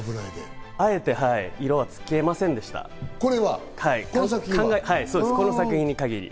あえて色はつけませんでした、この作品に限り。